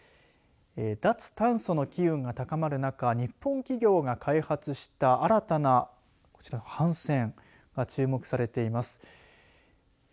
脱炭素の機運が高まる中日本企業が開発した新たな、こちら帆船が注目されています。